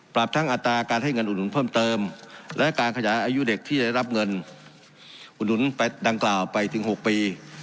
ทั้งอัตราการให้เงินอุดหนุนเพิ่มเติมและการขยายอายุเด็กที่ได้รับเงินอุดหนุนดังกล่าวไปถึง๖ปี